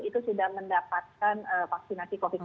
itu sudah mendapatkan vaksinasi covid sembilan belas